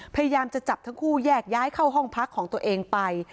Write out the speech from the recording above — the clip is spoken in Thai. พยายามจะจับทั้งคู่แยกย้ายเข้าห้องพักของตัวเองไป